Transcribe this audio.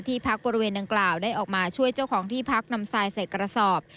พักบริเวณดังกล่าวได้ออกมาช่วยเจ้าของที่พักนำทรายใส่กระสอบ